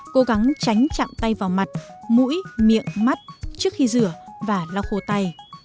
cố gắng tránh chạm tay vào mặt mũi miệng mắt trước khi rửa và lau khô tay